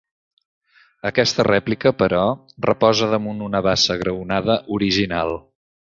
Aquesta rèplica, però, reposa damunt una basa graonada, original.